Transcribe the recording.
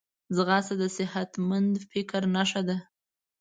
ځغاسته د صحتمند فکر نښه ده